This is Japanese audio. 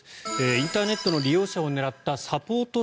インターネットの利用者を狙ったサポート